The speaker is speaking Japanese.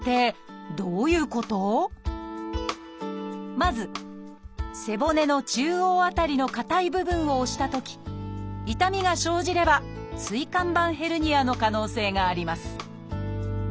まず背骨の中央辺りのかたい部分を押したとき痛みが生じれば椎間板ヘルニアの可能性があります